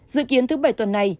dự kiến thứ bảy tuần này